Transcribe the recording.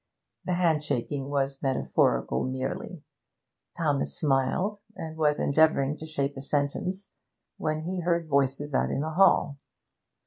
The handshaking was metaphorical merely. Thomas smiled, and was endeavouring to shape a sentence, when he heard voices out in the hall.